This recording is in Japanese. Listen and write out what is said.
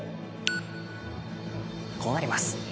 こうなります。